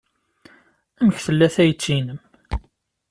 Amek tella tayet-nnem?